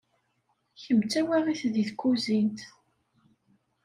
Kemm d tawaɣit deg tkuzint.